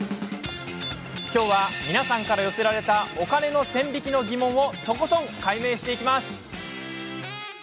きょうは、皆さんから寄せられたお金の線引きの疑問をとことん解明していきます。